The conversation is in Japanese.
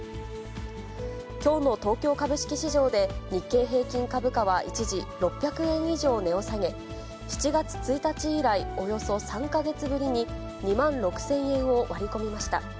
きょうの東京株式市場で、日経平均株価は、一時６００円以上値を下げ、７月１日以来、およそ３か月ぶりに２万６０００円を割り込みました。